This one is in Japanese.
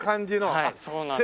はいそうなんです。